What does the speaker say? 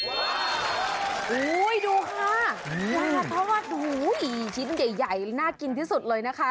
โอ้โหดูค่ะปลาทอดชิ้นใหญ่น่ากินที่สุดเลยนะคะ